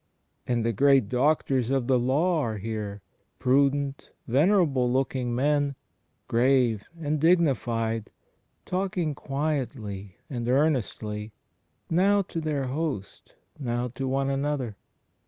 ... And the great doctors of the Law are here, prudent, venerable looking men, grave and dignified, talking quietly and earnestly, now to their host, now to one another.